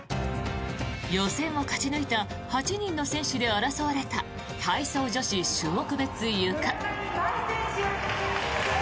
予選を勝ち抜いた８人の選手で争われた体操女子種目別ゆか。